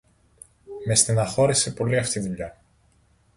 Με στενοχώρεσε πολύ αυτή η δουλειά